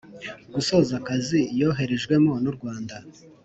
gusoza akazi yoherejwemo nurwanda